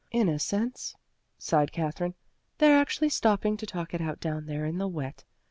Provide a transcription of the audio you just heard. "Innocents!" sighed Katherine. "They're actually stopping to talk it out down there in the wet.